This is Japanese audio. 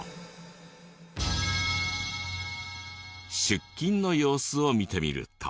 出勤の様子を見てみると。